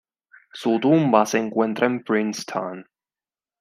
Su tumba se encuentra en Princeton.